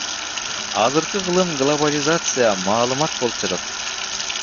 Азыркы кылым глобализация, маалымат болуп жатат.